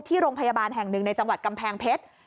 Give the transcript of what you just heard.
ที่โรงพยาบาลแห่งหนึ่งในจังหวัดกำแพงเพชร